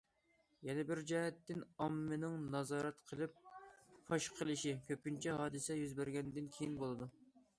يەنە بىر جەھەتتىن، ئاممىنىڭ نازارەت قىلىپ، پاش قىلىشى كۆپىنچە ھادىسە يۈز بەرگەندىن كېيىن بولىدۇ.